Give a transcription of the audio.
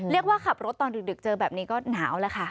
เรียกว่าขับรถตอนดึกเจอแบบนี้ก็หนาวแล้วค่ะ